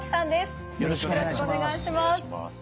よろしくお願いします。